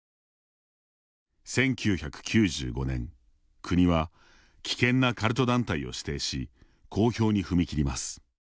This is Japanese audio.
１９９５年、国は危険なカルト団体を指定し公表に踏み切ります。